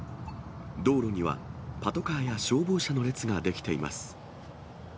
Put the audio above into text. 道路にはパトカーや消防車の列が出来ています。